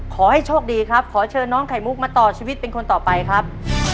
ขอให้โชคดีครับขอเชิญน้องไข่มุกมาต่อชีวิตเป็นคนต่อไปครับ